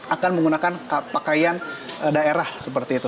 akan menggunakan pakaian daerah seperti itu